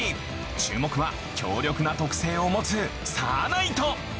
注目は強力な特性を持つサーナイト。